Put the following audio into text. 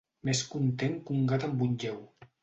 Més content que un gat amb un lleu.